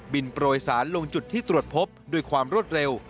โปรยสารลงจุดที่ตรวจพบด้วยความรวดเร็ว